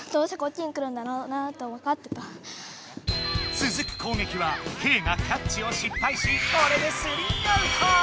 つづくこうげきはケイがキャッチを失敗しこれで３アウト！